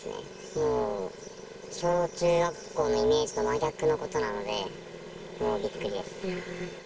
もう、小中学校のイメージと真逆のことなので、もうびっくりです。